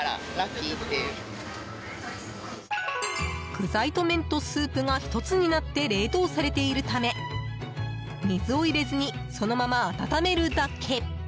具材と麺とスープが１つになって冷凍されているため水を入れずにそのまま温めるだけ。